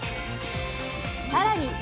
更に！